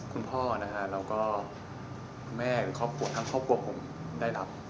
คุณพ่อนะครับ